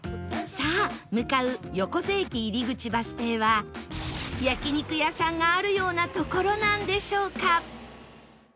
さあ向かう横瀬駅入口バス停は焼肉屋さんがあるような所なんでしょうか？